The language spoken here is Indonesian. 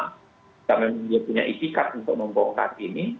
kita memang dia punya itikat untuk membongkar ini